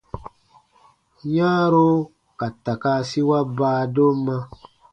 Yãaro ka takaasiwa baadomma.